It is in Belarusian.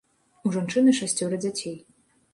У жанчыны шасцёра дзяцей.